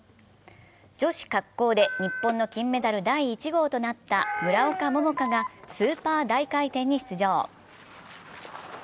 女子滑降で日本の金メダル第１号となった村岡桃佳が、スーパー大回転に出場。